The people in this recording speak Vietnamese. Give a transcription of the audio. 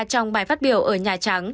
trong bài phát biểu ở nhà trắng